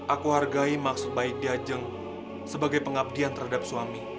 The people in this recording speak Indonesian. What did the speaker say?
aku hargai maksud baik diajeng sebagai pengabdian terhadap suami